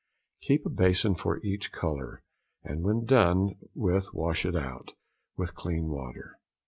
Keep a bason for each colour, and when done with wash it out with clean water.